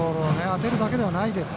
当てるだけではないです。